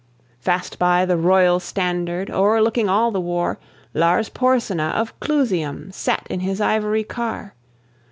Fast by the royal standard, O'erlooking all the war, Lars Porsena of Clusium Sat in his ivory car.